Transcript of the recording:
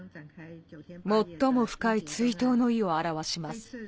最も深い追悼の意を表します。